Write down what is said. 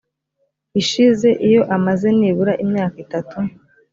ishize iyo amaze nibura imyaka itatu